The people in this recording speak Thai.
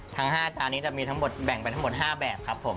ทั้ง๕จานจะให้แบ่งมาทั้ง๖แบบครับผม